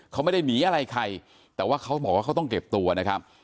เขาไม่ได้หนีอะไรใครแต่ว่าเขาบอกว่าเขาต้องเก็บตัวนะครับ